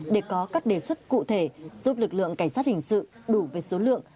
để có các đề xuất cụ thể giúp lực lượng cảnh sát hình sự đủ về số lượng